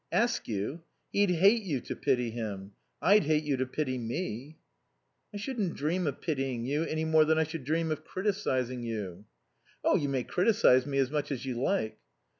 "Ask you? He'd hate you to pity him. I'd hate you to pity me." "I shouldn't dream of pitying you, any more than I should dream of criticising you." "Oh, you may criticise as much as you like."